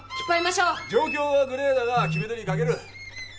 状況はグレーだが決め手に欠ける。